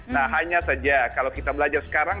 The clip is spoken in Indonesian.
nah hanya saja kalau kita belajar sekarang